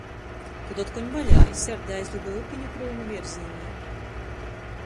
Tod otkon vaļā i serde aizlidoj upiņu kryumu vierzīnī.